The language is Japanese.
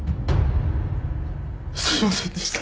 すみませんでした。